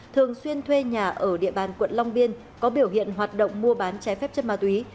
thường xuyên thuê nhà ở địa bàn quận long biên có biểu hiện hoạt động mua bán trái phép chất ma túy